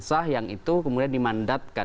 sah yang itu kemudian dimandatkan